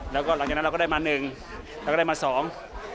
แล้วก็หลังจากนั้นเราก็ได้มาหนึ่งเราก็ได้มาสอง